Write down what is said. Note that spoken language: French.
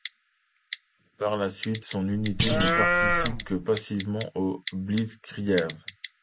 Par la suite, son unité ne participe que passivement au Blitzkrieg.